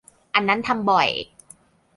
อันนั้นทำบ่อย.